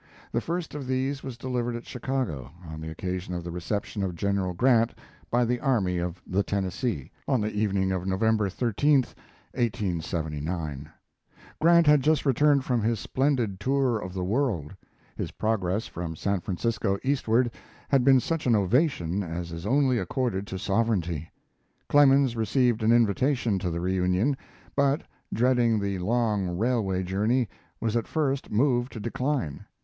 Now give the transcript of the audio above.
The first of these was delivered at Chicago, on the occasion of the reception of General Grant by the Army of the Tennessee, on the evening of November 73, 1879. Grant had just returned from his splendid tour of the world. His progress from San Francisco eastward had been such an ovation as is only accorded to sovereignty. Clemens received an invitation to the reunion, but, dreading the long railway journey, was at first moved to decline.